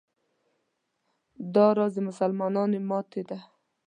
دا راز د مسلمانانو ماتې ده.